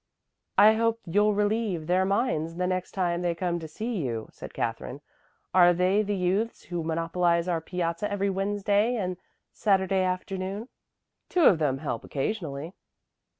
"I hope you'll relieve their minds the next time they come to see you," said Katherine. "Are they the youths who monopolize our piazza every Wednesday and Saturday afternoon?" "Two of them help occasionally."